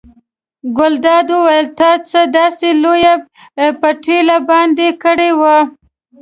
ګلداد وویل تا څه داسې لویه پتیله باندې کړې وه.